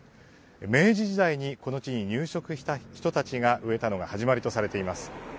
明治時代に、この地に入植した人たちが植えたのが始まりとされています。